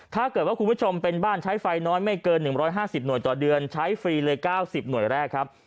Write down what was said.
ถ้าเกิดว่าคุณผู้ชมเป็นบ้านใช้ไฟน้อยไม่เกิน๑๕๐หน่วยต่อเดือนใช้ฟรีเลย๙๐หน่วยแรกครับ